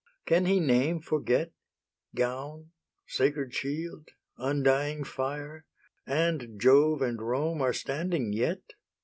can he name forget, Gown, sacred shield, undying fire, And Jove and Rome are standing yet?